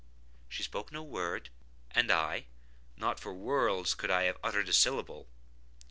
She spoke no word; and I—not for worlds could I have uttered a syllable.